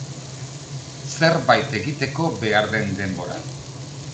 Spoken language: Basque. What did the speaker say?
Zerbait egiteko behar den denbora.